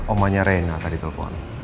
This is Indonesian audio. omanya reina tadi telpon